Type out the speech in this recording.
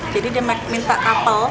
jadi dia minta kapel